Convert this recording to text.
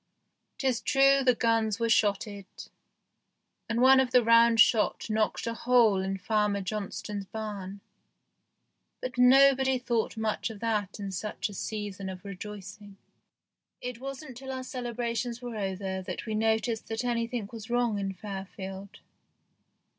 Tis true the guns were shotted, and one of the round shot knocked a hole in THE GHOST SHIP 9 Farmer Johnstone's barn, but nobody thought much of that in such a season of rejoicing. It wasn't till our celebrations were over that we noticed that anything was wrong in Fairfield.